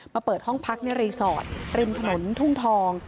เปิดห้องพักในรีสอร์ทริมถนนทุ่งทอง